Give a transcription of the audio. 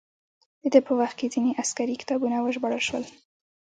د ده په وخت کې ځینې عسکري کتابونه وژباړل شول.